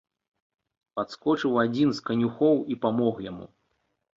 Падскочыў адзін з канюхоў і памог яму.